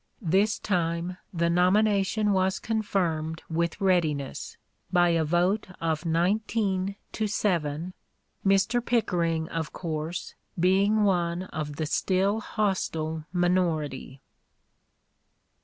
This time the nomination was confirmed with readiness, by a vote of nineteen to seven, Mr. Pickering, of course, being one of the still hostile minority.